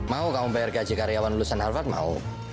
mau kamu prkj karyawan lulusan harvard mau